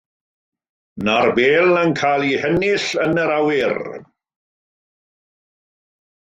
Dyna'r bêl yn cael ei hennill yn yr awyr.